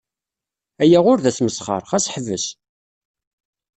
Aya ur d asmesxer, ɣas ḥbes!